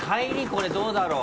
これどうだろう？